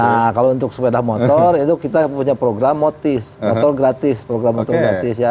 nah kalau untuk sepeda motor itu kita punya program motis motor gratis program otomatis ya